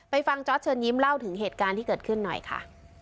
ฟังจอร์ดเชิญยิ้มเล่าถึงเหตุการณ์ที่เกิดขึ้นหน่อยค่ะ